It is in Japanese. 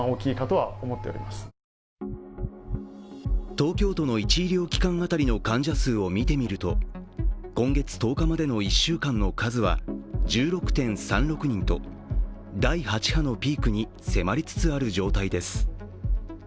東京都の１医療機関当たりの患者数を見てみると今月１０日までの１週間の数は１６．３６人と第８波のピークに迫りつつある状態です。